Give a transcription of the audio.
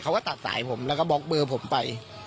เขาก็ตัดสายผมแล้วก็บล็อกเบอร์ผมไป